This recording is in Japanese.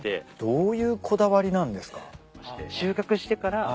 どういうこだわりなんですか？